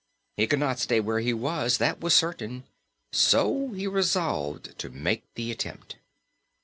He could not stay where he was, that was certain, so he resolved to make the attempt.